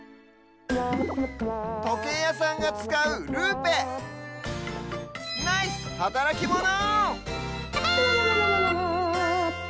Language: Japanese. とけいやさんがつかうルーペナイスはたらきモノ！